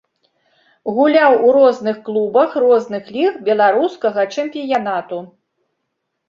Гуляў у розных клубах розных ліг беларускага чэмпіянату.